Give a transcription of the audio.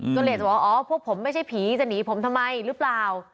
ก็เลยจะบอกอ๋อพวกผมไม่ใช่ผีจะหนีผมทำไมหรือเปล่า